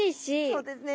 そうですね。